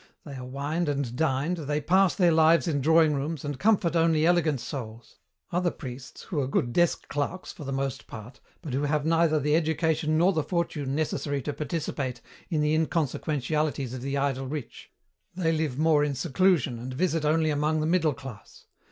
They are wined and dined, they pass their lives in drawing rooms, and comfort only elegant souls. Other priests who are good desk clerks, for the most part, but who have neither the education nor the fortune necessary to participate in the inconsequentialities of the idle rich. They live more in seclusion and visit only among the middle class.